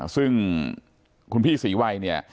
ซึ่งคุณพี่ศรีวัยเนี่ย